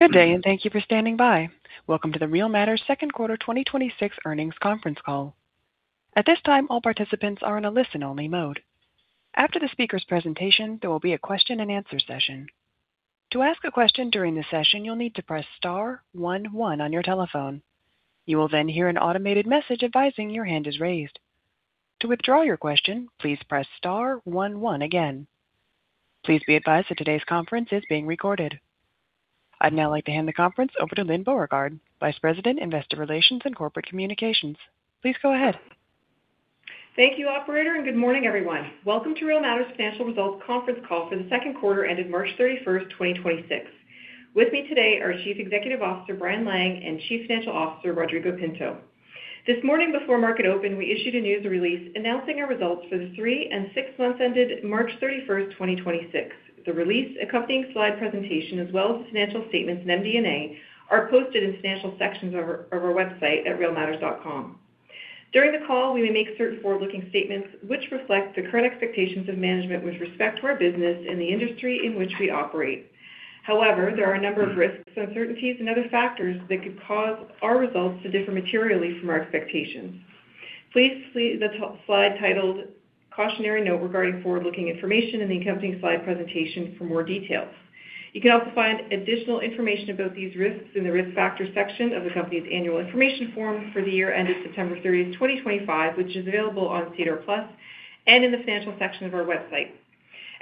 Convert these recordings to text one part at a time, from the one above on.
Good day. Thank you for standing by. Welcome to the Real Matters second quarter 2026 earnings conference call. At this time, all participants are in a listen-only mode. After the speaker's presentation, there will be a question-and-answer session. To ask a question during the session, you'll need to press star-one-one on your telephone. You will hear an automated message advising your hand is raised. To withdraw your question, please press star-one-one again. Please be advised that today's conference is being recorded. I'd now like to hand the conference over to Lyne Beauregard, Vice President, Investor Relations and Corporate Communications. Please go ahead. Thank you, operator. Good morning, everyone. Welcome to Real Matters Financial Results Conference Call for the second quarter ended March 31st, 2026. With me today are Chief Executive Officer, Brian Lang, and Chief Financial Officer, Rodrigo Pinto. This morning before market open, we issued a news release announcing our results for the three and six months ended March 31st, 2026. The release accompanying slide presentation, as well as the financial statements and MD&A, are posted in the financial sections of our website at realmatters.com. During the call, we may make certain forward-looking statements which reflect the current expectations of management with respect to our business in the industry in which we operate. There are a number of risks, uncertainties, and other factors that could cause our results to differ materially from our expectations. Please see the slide titled Cautionary Note regarding forward-looking information in the accompanying slide presentation for more details. You can also find additional information about these risks in the Risk Factors section of the company's annual information form for the year ended September 30th, 2025, which is available on SEDAR+ and in the financial section of our website.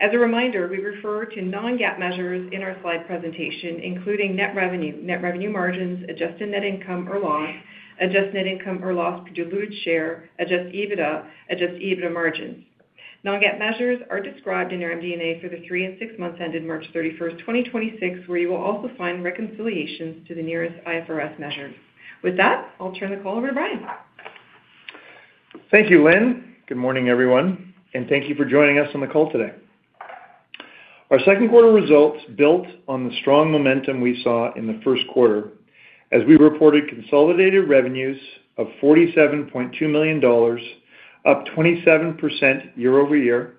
As a reminder, we refer to non-GAAP measures in our slide presentation, including net revenue, net revenue margins, adjusted net income or loss, adjusted net income or loss per diluted share, adjusted EBITDA, adjusted EBITDA margins. Non-GAAP measures are described in our MD&A for the three and six months ended March 31st, 2026, where you will also find reconciliations to the nearest IFRS measures. With that, I'll turn the call over to Brian. Thank you, Lyne. Good morning, everyone, and thank you for joining us on the call today. Our second quarter results built on the strong momentum we saw in the first quarter as we reported consolidated revenues of 47.2 million dollars, up 27% year-over-year,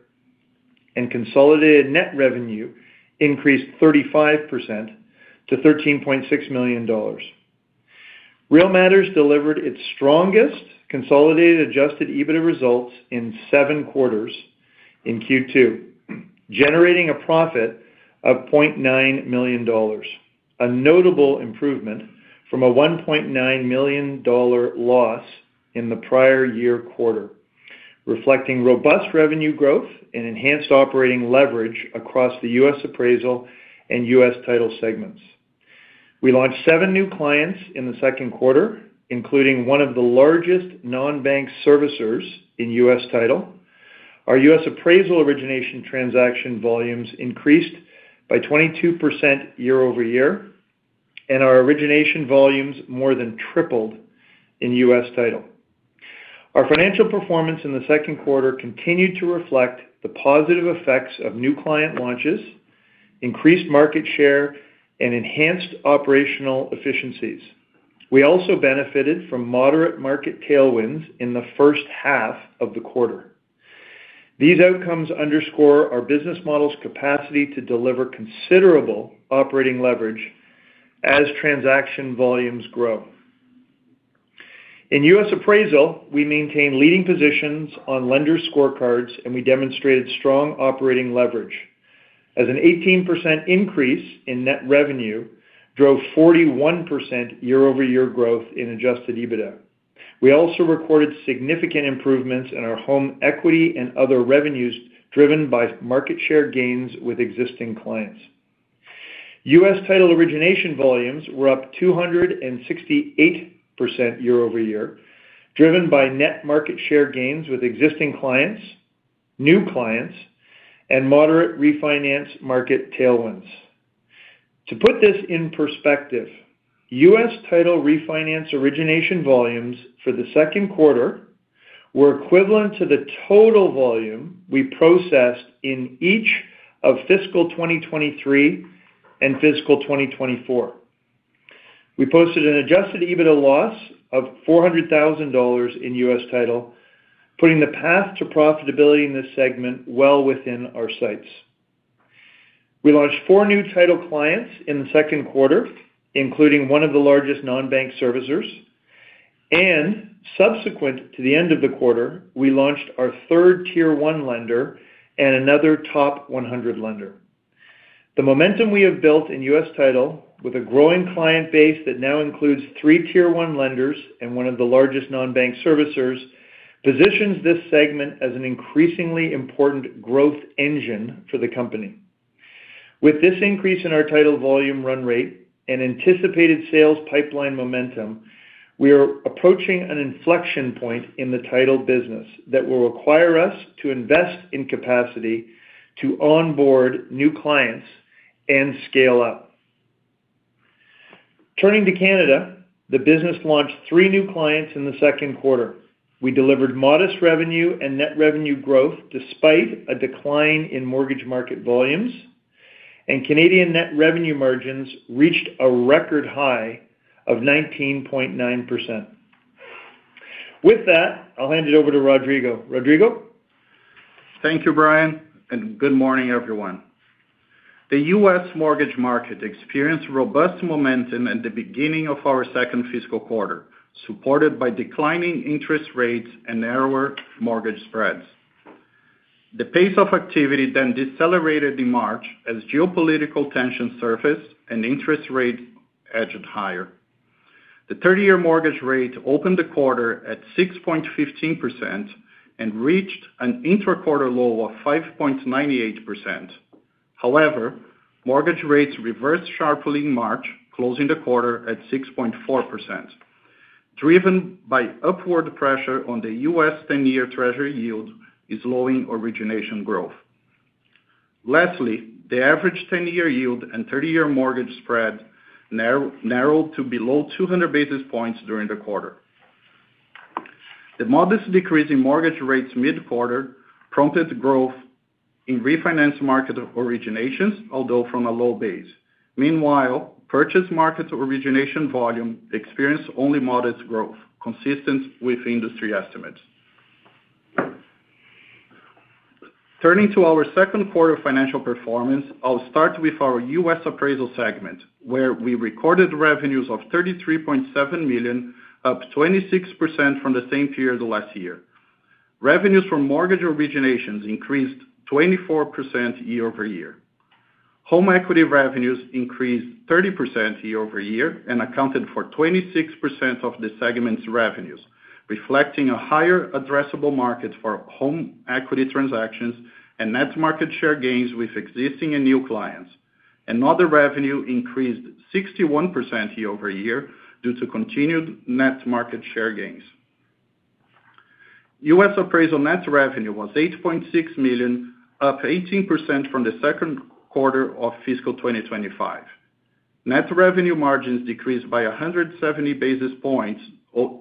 and consolidated net revenue increased 35% to 13.6 million dollars. Real Matters delivered its strongest consolidated adjusted EBITDA results in seven quarters in Q2, generating a profit of 0.9 million dollars, a notable improvement from a 1.9 million dollar loss in the prior year quarter, reflecting robust revenue growth and enhanced operating leverage across the U.S. Appraisal and U.S. Title segments. We launched seven new clients in the second quarter, including one of the largest non-bank servicers in U.S. Title. Our U.S. Appraisal origination transaction volumes increased by 22% year-over-year, and our origination volumes more than tripled in U.S. Title. Our financial performance in the second quarter continued to reflect the positive effects of new client launches, increased market share, and enhanced operational efficiencies. We also benefited from moderate market tailwinds in the first half of the quarter. These outcomes underscore our business model's capacity to deliver considerable operating leverage as transaction volumes grow. In U.S. Appraisal, we maintain leading positions on lender scorecards, and we demonstrated strong operating leverage as an 18% increase in net revenue drove 41% year-over-year growth in adjusted EBITDA. We also recorded significant improvements in our home equity and other revenues driven by market share gains with existing clients. U.S. Title origination volumes were up 268% year-over-year, driven by net market share gains with existing clients, new clients, and moderate refinance market tailwinds. To put this in perspective, U.S. Title refinance origination volumes for the second quarter were equivalent to the total volume we processed in each of fiscal 2023 and fiscal 2024. We posted an adjusted EBITDA loss of $400,000 in U.S. Title, putting the path to profitability in this segment well within our sights. We launched four new Title clients in the second quarter, including one of the largest non-bank servicers. Subsequent to the end of the quarter, we launched our third Tier 1 lender and another top 100 lender. The momentum we have built in U.S. Title with a growing client base that now includes third Tier 1 lenders and one of the largest non-bank servicers, positions this segment as an increasingly important growth engine for the company. With this increase in our Title volume run rate and anticipated sales pipeline momentum, we are approaching an inflection point in the Title business that will require us to invest in capacity to onboard new clients and scale up. Turning to Canada, the business launched three new clients in the 2nd quarter. We delivered modest revenue and net revenue growth despite a decline in mortgage market volumes, and Canadian net revenue margins reached a record high of 19.9%. With that, I'll hand it over to Rodrigo. Rodrigo? Thank you, Brian. Good morning, everyone. The U.S. mortgage market experienced robust momentum at the beginning of our second fiscal quarter, supported by declining interest rates and narrower mortgage spreads. The pace of activity decelerated in March as geopolitical tension surfaced and interest rates edged higher. The 30-year mortgage rate opened the quarter at 6.15% and reached an intra-quarter low of 5.98%. However, mortgage rates reversed sharply in March, closing the quarter at 6.4%. Driven by upward pressure on the U.S. 10-year treasury yield is slowing origination growth. Lastly, the average 10-year yield and 30-year mortgage spread narrowed to below 200 basis points during the quarter. The modest decrease in mortgage rates mid-quarter prompted growth in refinance market originations, although from a low base. Meanwhile, purchase market origination volume experienced only modest growth, consistent with industry estimates. Turning to our second quarter financial performance, I'll start with our U.S. Appraisal segment, where we recorded revenues of 33.7 million, up 26% from the same period last year. Revenues from mortgage originations increased 24% year-over-year. Home equity revenues increased 30% year-over-year and accounted for 26% of the segment's revenues, reflecting a higher addressable market for home equity transactions and net market share gains with existing and new clients. Other revenue increased 61% year-over-year due to continued net market share gains. U.S. Appraisal net revenue was 8.6 million, up 18% from the second quarter of fiscal 2025. Net revenue margins decreased by 170 basis points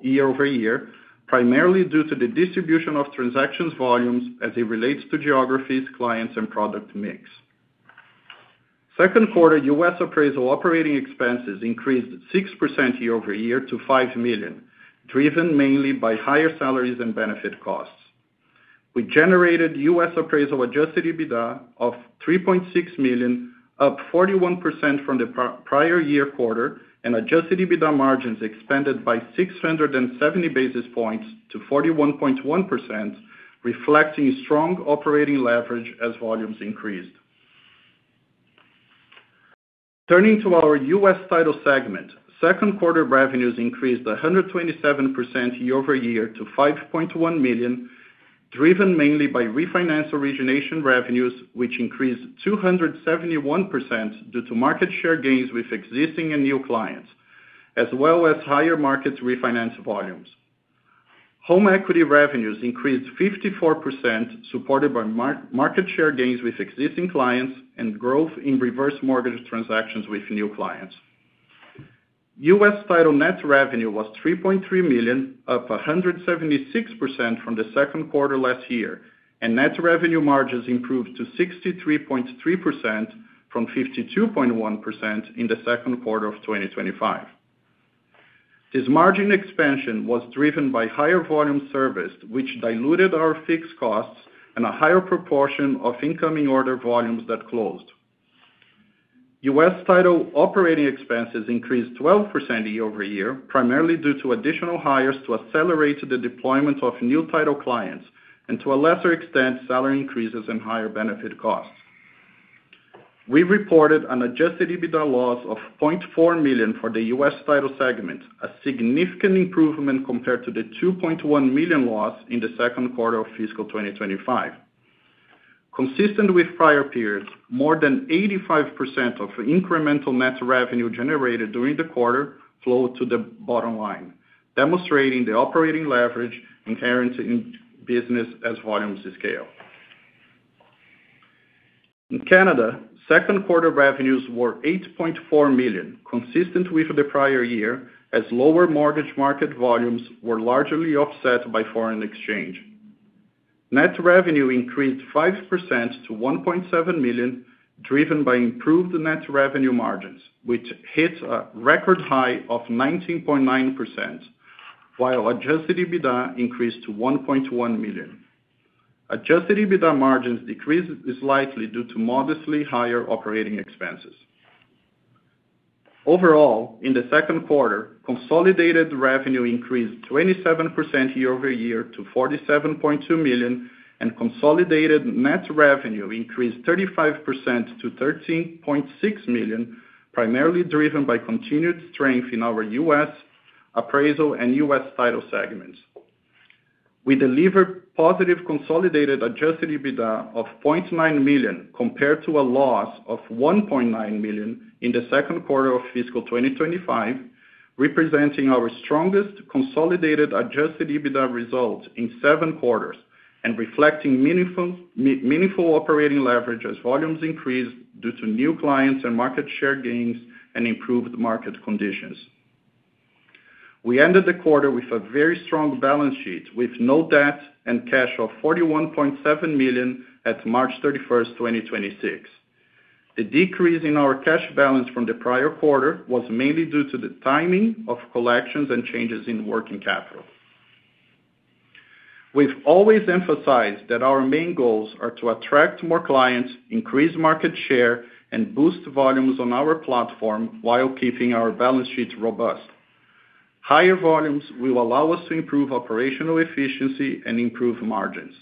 year-over-year, primarily due to the distribution of transactions volumes as it relates to geographies, clients, and product mix. Second quarter U.S. Appraisal operating expenses increased 6% year-over-year to 5 million, driven mainly by higher salaries and benefit costs. We generated U.S. Appraisal adjusted EBITDA of 3.6 million, up 41% from the prior year quarter, and adjusted EBITDA margins expanded by 670 basis points to 41.1%, reflecting strong operating leverage as volumes increased. Turning to our U.S. Title segment, second quarter revenues increased 127% year-over-year to 5.1 million, driven mainly by refinance origination revenues, which increased 271% due to market share gains with existing and new clients, as well as higher market refinance volumes. Home equity revenues increased 54%, supported by market share gains with existing clients and growth in reverse mortgage transactions with new clients. U.S. Title net revenue was 3.3 million, up 176% from the second quarter last year. Net revenue margins improved to 63.3% from 52.1% in the second quarter of 2025. This margin expansion was driven by higher volume serviced, which diluted our fixed costs and a higher proportion of incoming order volumes that closed. U.S. Title operating expenses increased 12% year-over-year, primarily due to additional hires to accelerate the deployment of new title clients, and to a lesser extent, salary increases and higher benefit costs. We reported an adjusted EBITDA loss of 0.4 million for the U.S. Title segment, a significant improvement compared to the 2.1 million loss in the second quarter of fiscal 2025. Consistent with prior periods, more than 85% of incremental net revenue generated during the quarter flowed to the bottom line, demonstrating the operating leverage inherent in the business as volumes scale. In Canada, second quarter revenues were 8.4 million, consistent with the prior year, as lower mortgage market volumes were largely offset by foreign exchange. Net revenue increased 5% to 1.7 million, driven by improved net revenue margins, which hit a record high of 19.9%, while Adjusted EBITDA increased to 1.1 million. Adjusted EBITDA margins decreased slightly due to modestly higher operating expenses. Overall, in the second quarter, consolidated revenue increased 27% year-over-year to 47.2 million, and consolidated net revenue increased 35% to 13.6 million, primarily driven by continued strength in our U.S. Appraisal and U.S. Title segments. We delivered positive consolidated adjusted EBITDA of 0.9 million compared to a loss of 1.9 million in the second quarter of fiscal 2025, representing our strongest consolidated adjusted EBITDA result in seven quarters and reflecting meaningful operating leverage as volumes increased due to new clients and market share gains and improved market conditions. We ended the quarter with a very strong balance sheet, with no debt and cash of 41.7 million at March 31, 2026. The decrease in our cash balance from the prior quarter was mainly due to the timing of collections and changes in working capital. We've always emphasized that our main goals are to attract more clients, increase market share, and boost volumes on our platform while keeping our balance sheets robust. Higher volumes will allow us to improve operational efficiency and improve margins.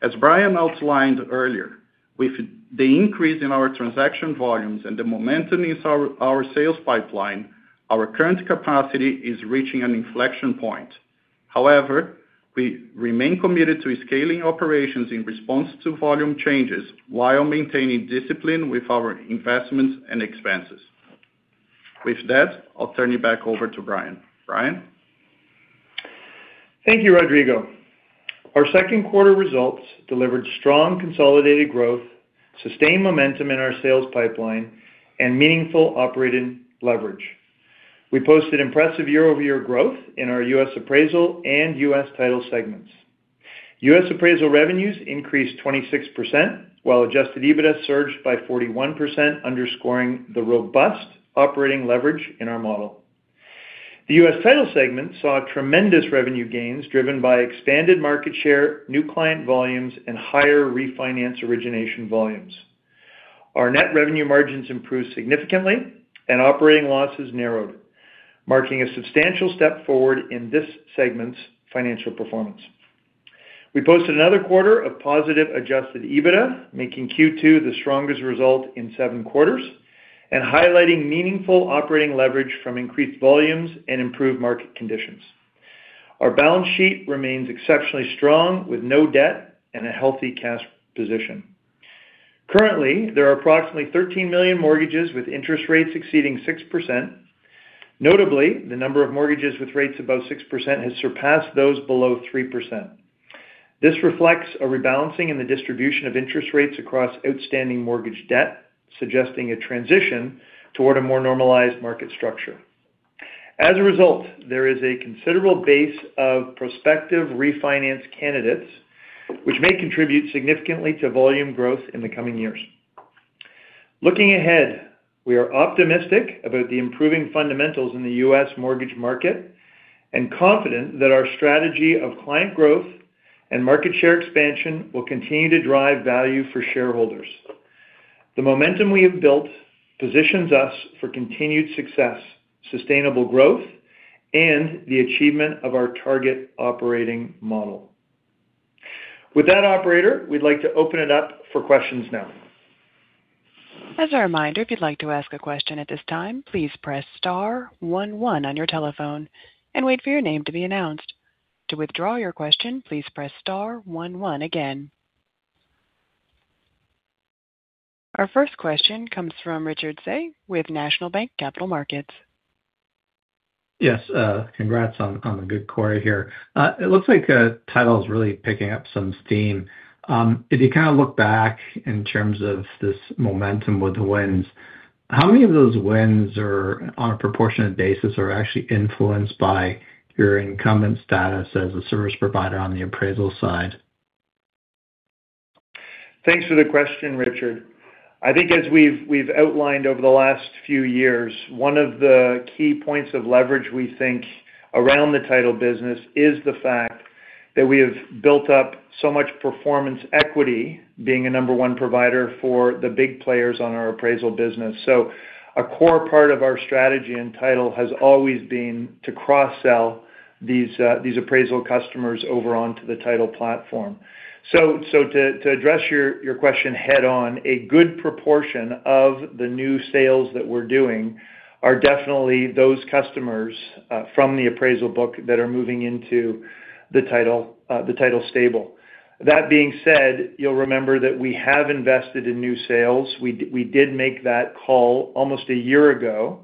As Brian outlined earlier, with the increase in our transaction volumes and the momentum in our sales pipeline, our current capacity is reaching an inflection point. However, we remain committed to scaling operations in response to volume changes while maintaining discipline with our investments and expenses. With that, I'll turn you back over to Brian. Brian? Thank you, Rodrigo. Our second quarter results delivered strong consolidated growth, sustained momentum in our sales pipeline, and meaningful operating leverage. We posted impressive year-over-year growth in our U.S. Appraisal and U.S. Title segments. U.S. Appraisal revenues increased 26%, while adjusted EBITDA surged by 41%, underscoring the robust operating leverage in our model. The U.S. Title segment saw tremendous revenue gains driven by expanded market share, new client volumes, and higher refinance origination volumes. Our net revenue margins improved significantly and operating losses narrowed, marking a substantial step forward in this segment's financial performance. We posted another quarter of positive adjusted EBITDA, making Q2 the strongest result in seven quarters, and highlighting meaningful operating leverage from increased volumes and improved market conditions. Our balance sheet remains exceptionally strong with no debt and a healthy cash position. Currently, there are approximately 13 million mortgages with interest rates exceeding 6%. Notably, the number of mortgages with rates above 6% has surpassed those below 3%. This reflects a rebalancing in the distribution of interest rates across outstanding mortgage debt, suggesting a transition toward a more normalized market structure. As a result, there is a considerable base of prospective refinance candidates which may contribute significantly to volume growth in the coming years. Looking ahead, we are optimistic about the improving fundamentals in the U.S. mortgage market and confident that our strategy of client growth and market share expansion will continue to drive value for shareholders. The momentum we have built positions us for continued success, sustainable growth, and the achievement of our target operating model. With that, operator, we'd like to open it up for questions now. As a reminder, if you'd like to ask a question at this time, please press star one one on your telephone and wait for your name to be announced. To withdraw your question, please press star one one again. Our first question comes from Richard Tse with National Bank Capital Markets. Yes, congrats on the good quarter here. It looks like Title is really picking up some steam. If you kinda look back in terms of this momentum with the wins, how many of those wins are, on a proportionate basis, are actually influenced by your incumbent status as a service provider on the Appraisal side? Thanks for the question, Richard. I think as we've outlined over the last few years, one of the key points of leverage we think around the title business is the fact that we have built up so much performance equity being a number 1 provider for the big players on our appraisal business. A core part of our strategy in title has always been to cross-sell these appraisal customers over onto the title platform. So to address your question head on, a good proportion of the new sales that we're doing are definitely those customers from the appraisal book that are moving into the title, the title stable. That being said, you'll remember that we have invested in new sales. We did make that call almost a year ago,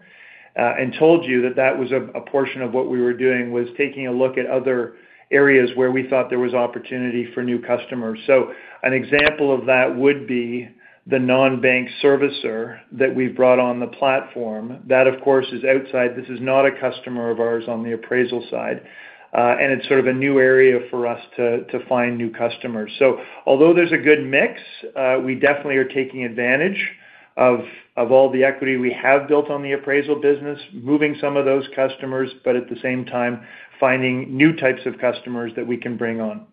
and told you that that was a portion of what we were doing, was taking a look at other areas where we thought there was opportunity for new customers. An example of that would be the non-bank servicer that we've brought on the platform. That, of course, is outside. This is not a customer of ours on the appraisal side. It's sort of a new area for us to find new customers. Although there's a good mix, we definitely are taking advantage of all the equity we have built on the appraisal business, moving some of those customers, but at the same time, finding new types of customers that we can bring on.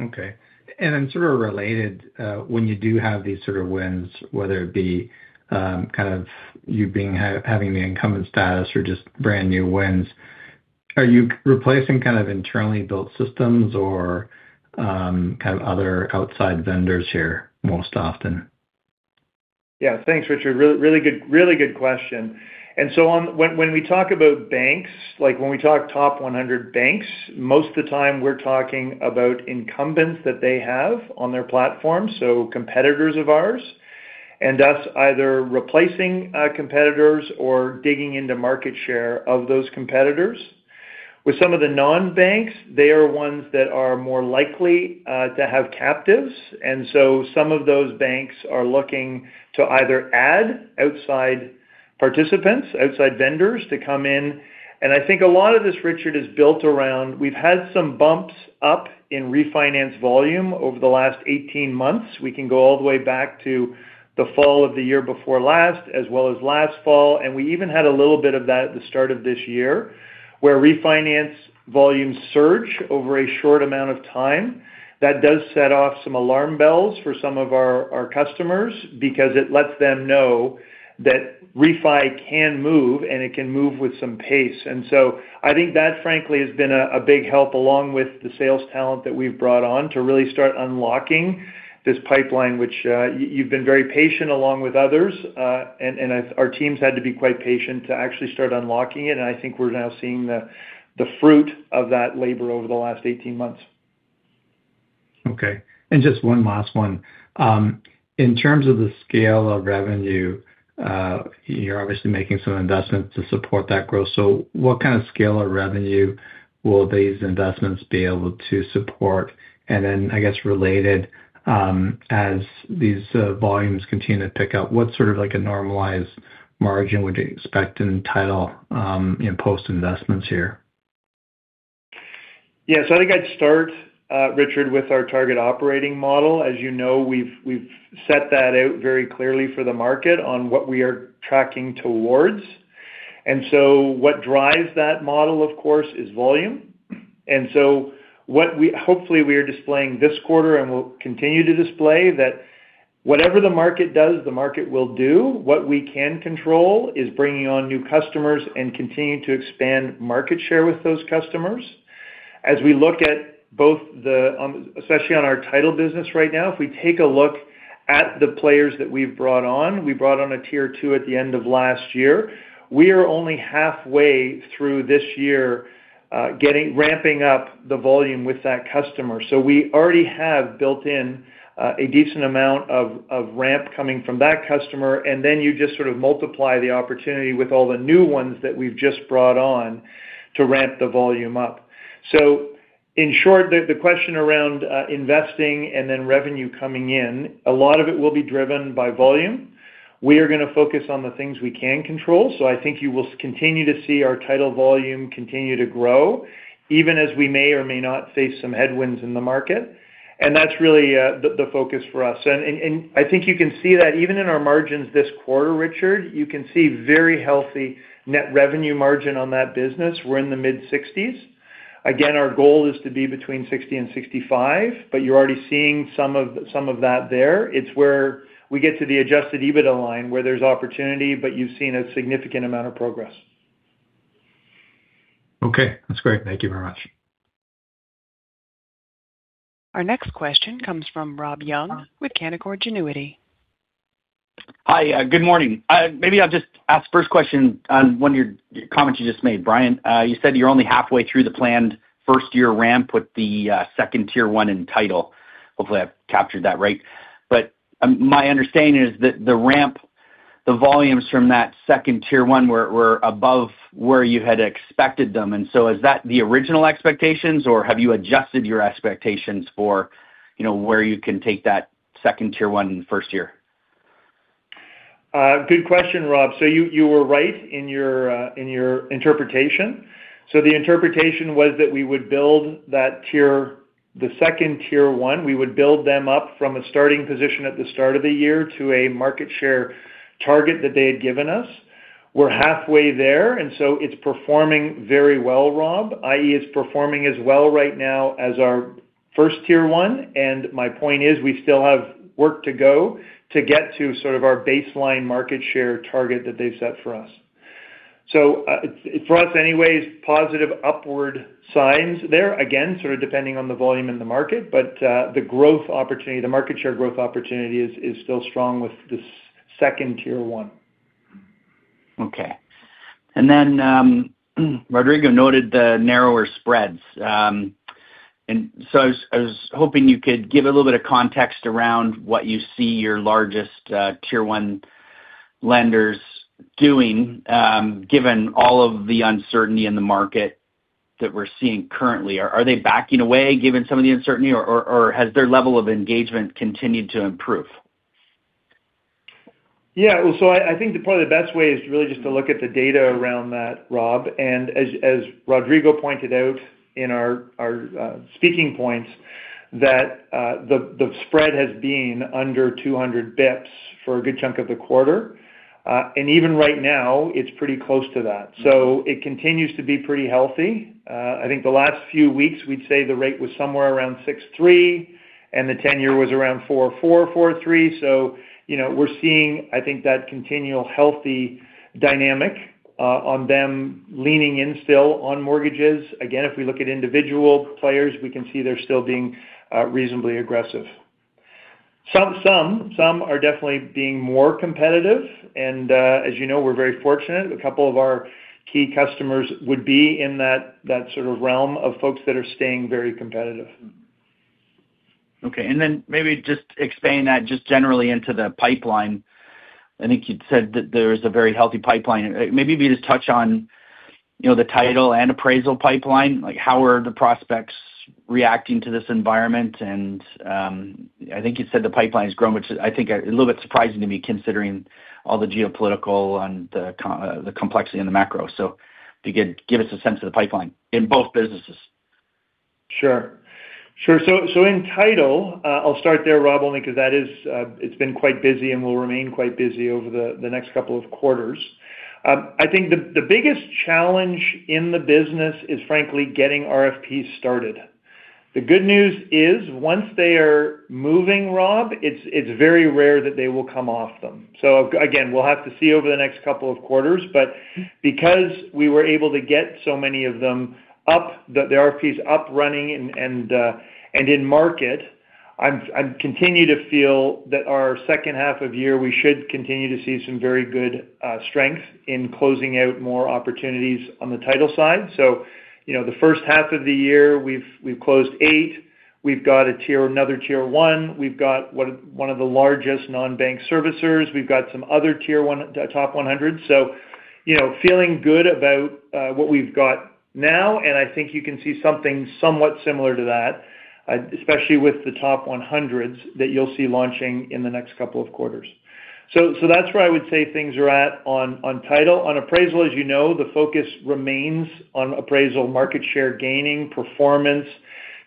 Okay. Sort of related, when you do have these sort of wins, whether it be, kind of you having the incumbent status or just brand new wins, are you replacing kind of internally built systems or, kind of other outside vendors here most often? Yeah. Thanks, Richard. Really good question. When we talk about banks, like when we talk top 100 banks, most of the time we're talking about incumbents that they have on their platform, so competitors of ours. That's either replacing competitors or digging into market share of those competitors. With some of the non-banks, they are ones that are more likely to have captives. Some of those banks are looking to either add outside participants, outside vendors to come in. I think a lot of this, Richard, is built around we've had some bumps up in refinance volume over the last 18 months. We can go all the way back to the fall of the year before last as well as last fall, and we even had a little bit of that at the start of this year, where refinance volumes surge over a short amount of time. That does set off some alarm bells for some of our customers because it lets them know that refi can move, and it can move with some pace. I think that frankly has been a big help along with the sales talent that we've brought on to really start unlocking this pipeline, which, you've been very patient along with others. Our teams had to be quite patient to actually start unlocking it, and I think we're now seeing the fruit of that labor over the last 18 months. Okay. Just one last one. In terms of the scale of revenue, you're obviously making some investments to support that growth. What kind of scale of revenue will these investments be able to support? I guess related, as these volumes continue to pick up, what sort of like a normalized margin would you expect in U.S. Title, in post-investments here? Yes. I think I'd start, Richard, with our target operating model. As you know, we've set that out very clearly for the market on what we are tracking towards. What drives that model, of course, is volume. What hopefully, we are displaying this quarter and will continue to display that whatever the market does, the market will do. What we can control is bringing on new customers and continuing to expand market share with those customers. As we look at both the, especially on our title business right now, if we take a look at the players that we've brought on, we brought on a Tier 2 at the end of last year. We are only halfway through this year, ramping up the volume with that customer. We already have built in a decent amount of ramp coming from that customer, and then you just sort of multiply the opportunity with all the new ones that we've just brought on to ramp the volume up. In short, the question around investing and then revenue coming in, a lot of it will be driven by volume. We are gonna focus on the things we can control, so I think you will continue to see our Title volume continue to grow, even as we may or may not face some headwinds in the market. That's really the focus for us. I think you can see that even in our margins this quarter, Richard. You can see very healthy net revenue margin on that business. We're in the mid-60s. Our goal is to be between 60 and 65, but you're already seeing some of that there. It's where we get to the adjusted EBITDA line where there's opportunity, but you've seen a significant amount of progress. Okay. That's great. Thank you very much. Our next question comes from Rob Young with Canaccord Genuity. Hi. Good morning. Maybe I'll just ask 1st question on one of your comments you just made. Brian, you said you're only halfway through the planned 1st-year ramp with the 2nd Tier 1 in title. Hopefully, I've captured that right. My understanding is that the ramp, the volumes from that 2nd Tier 1 were above where you had expected them. Is that the original expectations, or have you adjusted your expectations for, you know, where you can take that 2nd Tier 1 in the 1st year? Good question, Rob. You, you were right in your in your interpretation. The interpretation was that we would build that tier, the second tier one, we would build them up from a starting position at the start of the year to a market share target that they had given us. We're halfway there, it's performing very well, Rob, i.e., it's performing as well right now as our first tier one. My point is we still have work to go to get to sort of our baseline market share target that they've set for us. For us anyways, positive upward signs there, again, sort of depending on the volume in the market. The growth opportunity, the market share growth opportunity is still strong with this second Tier 1. Okay. Rodrigo noted the narrower spreads. I was hoping you could give a little bit of context around what you see your largest, Tier 1 lenders doing, given all of the uncertainty in the market that we're seeing currently. Are they backing away given some of the uncertainty, or has their level of engagement continued to improve? Well, I think that probably the best way is really just to look at the data around that, Rob. As Rodrigo pointed out in our speaking points that the spread has been under 200 basis points for a good chunk of the quarter. Even right now, it's pretty close to that. It continues to be pretty healthy. I think the last few weeks, we'd say the rate was somewhere around 6.3, and the tenure was around 4.4.3. You know, we're seeing, I think, that continual healthy dynamic on them leaning in still on mortgages. Again, if we look at individual players, we can see they're still being reasonably aggressive. Some are definitely being more competitive. As you know, we're very fortunate. A couple of our key customers would be in that sort of realm of folks that are staying very competitive. Okay. Maybe just expand that just generally into the pipeline. I think you said that there is a very healthy pipeline. Maybe just touch on, you know, the U.S. Title and U.S. Appraisal pipeline, like how are the prospects reacting to this environment? I think you said the pipeline has grown, which I think a little bit surprising to me, considering all the geopolitical and the complexity in the macro. If you could give us a sense of the pipeline in both businesses. Sure. Sure. In U.S. Title, I'll start there, Rob, only 'cause that is, it's been quite busy and will remain quite busy over the next couple of quarters. I think the biggest challenge in the business is frankly getting RFPs started. The good news is once they are moving, Rob, it's very rare that they will come off them. Again, we'll have to see over the next couple of quarters. Because we were able to get so many of them up, the RFPs up running and in market, I'm continue to feel that our second half of year, we should continue to see some very good strength in closing out more opportunities on the U.S. Title side. You know, the first half of the year, we've closed 8. We've got another Tier 1. We've got one of the largest non-bank servicers. We've got some other Tier 1, top 100s. You know, feeling good about what we've got now, and I think you can see something somewhat similar to that, especially with the top 100s that you'll see launching in the next couple of quarters. That's where I would say things are at on Title. On Appraisal, as you know, the focus remains on Appraisal, market share gaining performance,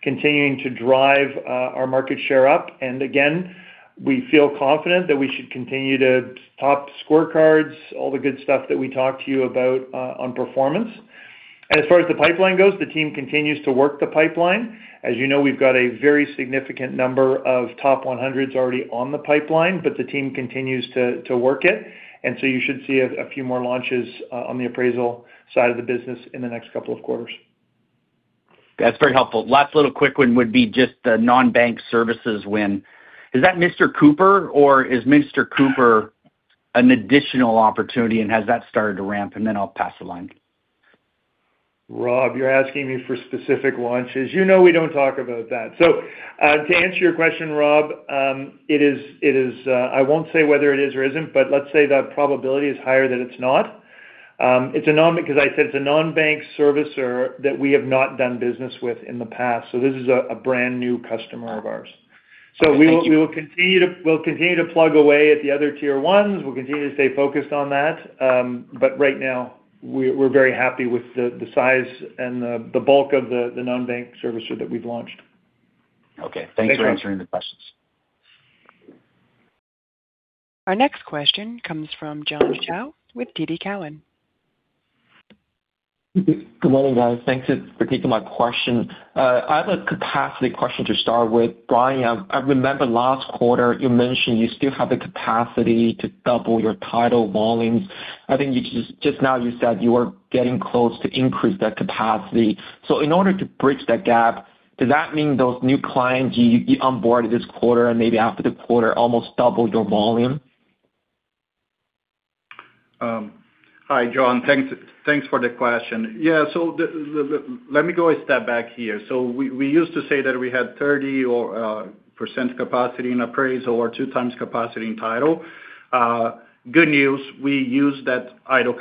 continuing to drive our market share up. Again, we feel confident that we should continue to top scorecards, all the good stuff that we talked to you about on performance. As far as the pipeline goes, the team continues to work the pipeline. As you know, we've got a very significant number of top 100s already on the pipeline, but the team continues to work it. You should see a few more launches on the appraisal side of the business in the next couple of quarters. That's very helpful. Last little quick one would be just the non-bank services win. Is that Mr. Cooper, or is Mr. Cooper an additional opportunity, and has that started to ramp? I'll pass along. Rob, you're asking me for specific launches. You know we don't talk about that. To answer your question, Rob, it is, I won't say whether it is or isn't, but let's say the probability is higher that it's not. It's a non-bank servicer that we have not done business with in the past. This is a brand-new customer of ours. Okay. Thank you. We will continue to plug away at the other Tier 1s. We'll continue to stay focused on that. Right now, we're very happy with the size and the bulk of the non-bank servicer that we've launched. Okay. Thanks for answering the questions. Our next question comes from John Shao with TD Cowen. Good morning, guys. Thanks for taking my question. I have a one capacity question to start with. Brian, I remember last quarter you mentioned you still have the capacity to double your title volumes. I think you just now you said you are getting close to increase that capacity. In order to bridge that gap, does that mean those new clients you onboard this quarter and maybe after the quarter almost double your volume? Hi, John. Thanks for the question. Yeah. Let me go a step back here. We used to say that we had 30% capacity in appraisal or 2x capacity in title. Good news, we used that idle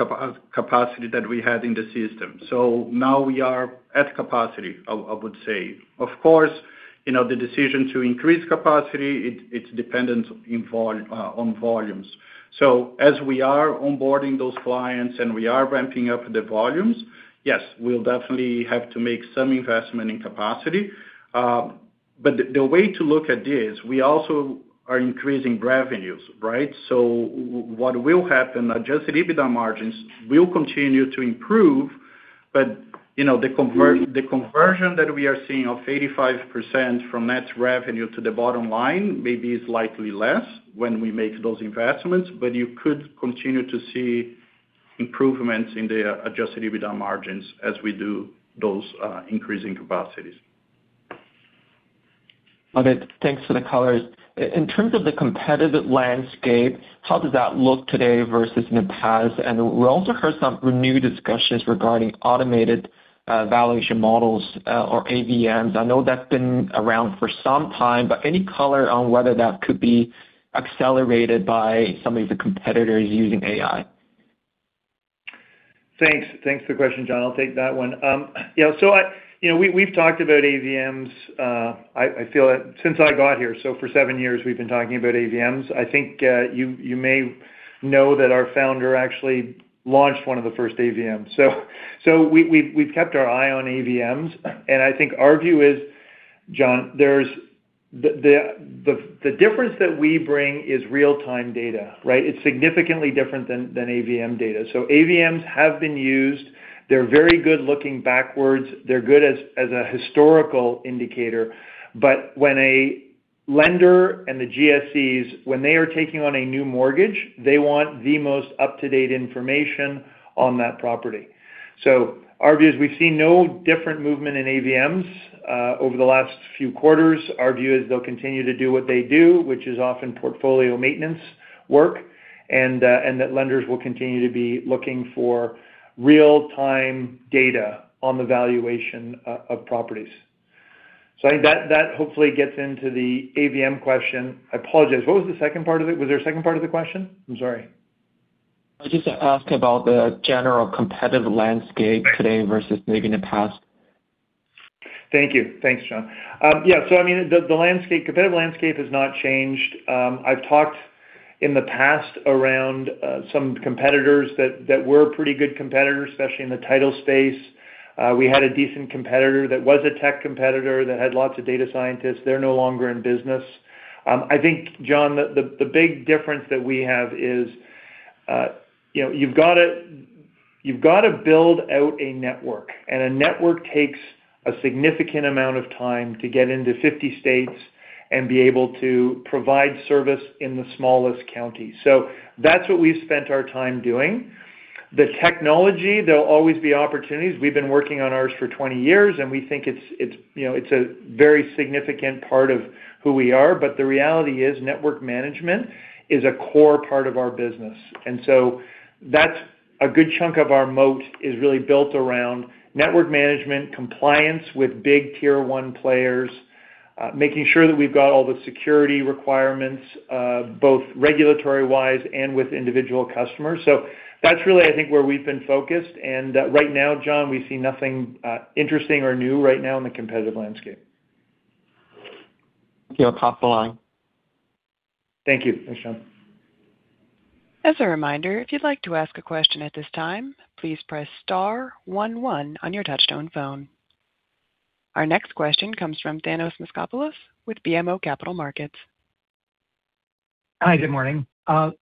capacity that we had in the system. Now we are at capacity, I would say. Of course, you know, the decision to increase capacity, it's dependent on volumes. As we are onboarding those clients and we are ramping up the volumes, yes, we'll definitely have to make some investment in capacity. The way to look at it is we also are increasing revenues, right? What will happen, adjusted EBITDA margins will continue to improve, you know, the conversion that we are seeing of 85% from net revenue to the bottom line maybe is likely less when we make those investments. You could continue to see improvements in the adjusted EBITDA margins as we do those increasing capacities. Okay. Thanks for the colors. In terms of the competitive landscape, how does that look today versus in the past? We also heard some renewed discussions regarding automated valuation models or AVMs. I know that's been around for some time, but any color on whether that could be accelerated by some of the competitors using AI? Thanks. Thanks for the question, John. I'll take that one. Yeah, you know, we've talked about AVMs, I feel like since I got here, so for seven years, we've been talking about AVMs. I think, you may know that our founder actually launched one of the first AVMs. We've kept our eye on AVMs. I think our view is, John, the difference that we bring is real-time data, right? It's significantly different than AVM data. AVMs have been used. They're very good looking backwards. They're good as a historical indicator. When a lender and the GSEs, when they are taking on a new mortgage, they want the most up-to-date information on that property. Our view is we've seen no different movement in AVMs over the last few quarters. Our view is they'll continue to do what they do, which is often portfolio maintenance work, and that lenders will continue to be looking for real-time data on the valuation of properties. I think that hopefully gets into the AVM question. I apologize, what was the second part of it? Was there a second part of the question? I'm sorry. I just asked about the general competitive landscape today versus maybe in the past. Thank you. Thanks, John. The competitive landscape has not changed. I've talked in the past around some competitors that were pretty good competitors, especially in the title space. We had a decent competitor that was a tech competitor that had lots of data scientists. They're no longer in business. I think, John, the big difference that we have is, you know, you've gotta build out a network, and a network takes a significant amount of time to get into 50 states and be able to provide service in the smallest county. That's what we've spent our time doing. The technology, there'll always be opportunities. We've been working on ours for 20 years, and we think it's, you know, a very significant part of who we are. The reality is network management is a core part of our business. That's a good chunk of our moat is really built around network management, compliance with big tier 1 players, making sure that we've got all the security requirements, both regulatory-wise and with individual customers. That's really, I think, where we've been focused. Right now, John, we see nothing interesting or new right now in the competitive landscape. Yeah, I'll pass along. Thank you. Thanks, John. As a reminder, if you'd like to ask a question at this time, please press star one one on your touchtone phone. Our next question comes from Thanos Moschopoulos with BMO Capital Markets. Hi, good morning.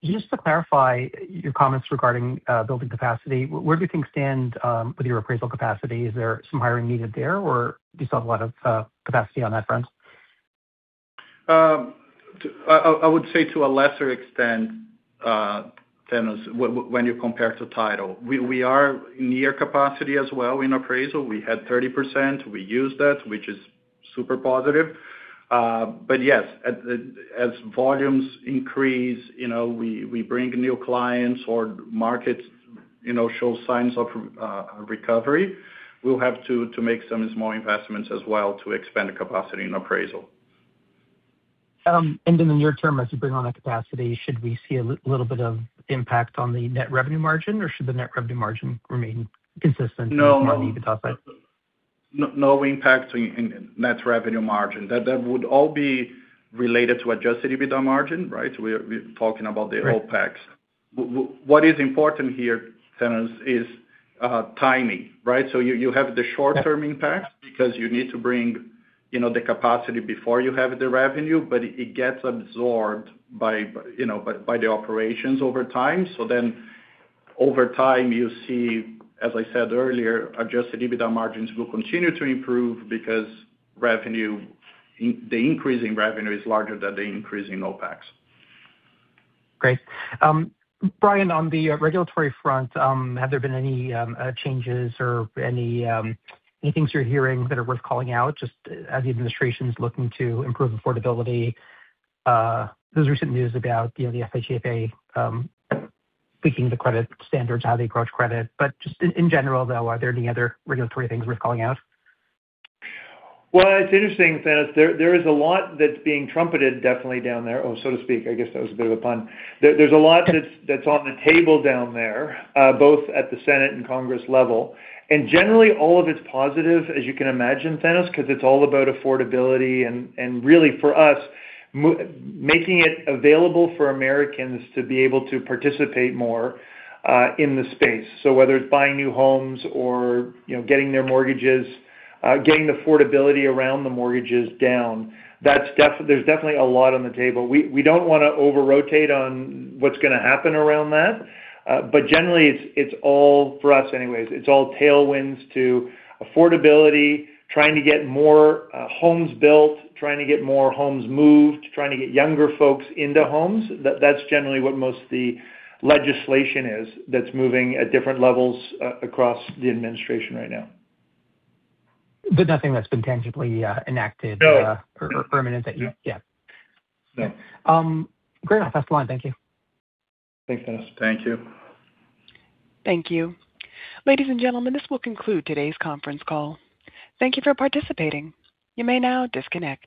Just to clarify your comments regarding building capacity, where do things stand with your appraisal capacity? Is there some hiring needed there, or do you still have a lot of capacity on that front? I would say to a lesser extent, Thanos, when you compare to title. We are near capacity as well in appraisal. We had 30%, we used that, which is super positive. Yes, as volumes increase, you know, we bring new clients or markets, you know, show signs of recovery. We'll have to make some small investments as well to expand the capacity and appraisal. In the near term, as you bring on that capacity, should we see a little bit of impact on the net revenue margin, or should the net revenue margin remain consistent? No- on the top side? No impact in net revenue margin. That would all be related to adjusted EBITDA margin, right? We're talking about the OpEx. What is important here, Thanos, is timing, right? You have the short-term impact because you need to bring, you know, the capacity before you have the revenue, but it gets absorbed by, you know, by the operations over time. Over time, you see, as I said earlier, adjusted EBITDA margins will continue to improve because the increase in revenue is larger than the increase in OpEx. Great. Brian, on the regulatory front, have there been any changes or any things you're hearing that are worth calling out, just as the administration's looking to improve affordability? Those recent news about, you know, the FHFA tweaking the credit standards, how they approach credit. Just in general, though, are there any other regulatory things worth calling out? Well, it's interesting, Thanos. There is a lot that's being trumpeted definitely down there. Oh, so to speak. I guess that was a bit of a pun. There's a lot that's on the table down there, both at the Senate and Congress level. Generally, all of it's positive, as you can imagine, Thanos, 'cause it's all about affordability and really for us, making it available for Americans to be able to participate more in the space. Whether it's buying new homes or, you know, getting their mortgages, getting the affordability around the mortgages down, there's definitely a lot on the table. We don't wanna over-rotate on what's gonna happen around that. Generally, it's all, for us anyways, it's all tailwinds to affordability, trying to get more homes built, trying to get more homes moved, trying to get younger folks into homes. That's generally what most the legislation is that's moving at different levels across the administration right now. nothing that's been tangibly enacted. No. or permanent. Yeah. No. Great. I'll pass the line. Thank you. Thanks, Thanos. Thank you. Thank you. Ladies and gentlemen, this will conclude today's conference call. Thank you for participating. You may now disconnect.